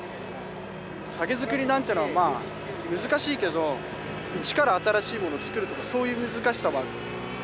酒造りなんてのはまあ難しいけど一から新しいもの作るとかそういう難しさはある。